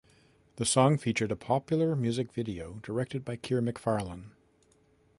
The song featured a popular music video directed by Kier McFarlane.